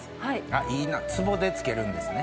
いいな壺で漬けるんですね